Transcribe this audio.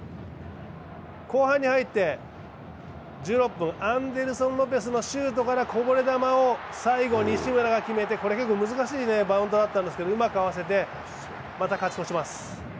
後半に入って１６分、アンデルソン・ロペスのシュートからこぼれ球を最後に西村が決めて、これは結構難しいバウンドだったんですけど、うまく合わせて勝ち越します。